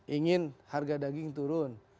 ingin harga daging turun